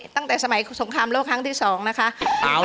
ตั้งแต่สมัยสงครามโลกครั้งที่๒นะคะ